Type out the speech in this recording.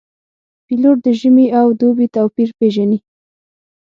پیلوټ د ژمي او دوبي توپیر پېژني.